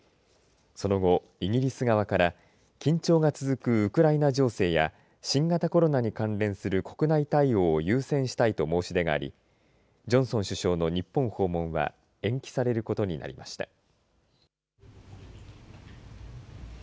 その後イギリス側から緊張が続くウクライナ情勢や新型コロナに関連する国内対応を優先したいと申し出がありジョンソン首相の日本訪問は延期されることになりました。